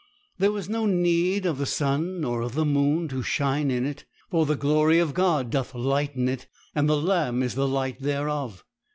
There was no need of the sun nor of the moon to shine in it; for the glory of God doth lighten it, and the Lamb is the light thereof.